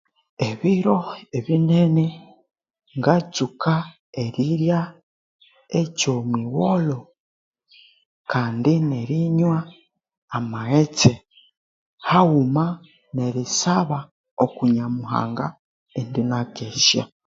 Ebiro ebinene ngatsuka erirya ekyomwigholho kandi ne rinywa amaghetse haghuma ne risaba oku Nyamuhanga indi nakesya